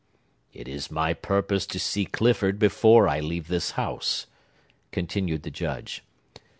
"It is my purpose to see Clifford before I leave this house," continued the Judge.